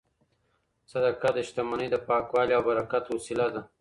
صدقه د شتمنۍ د پاکوالي او برکت وسیله ده.